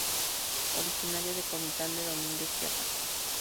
Originario de Comitán de Domínguez, Chiapas.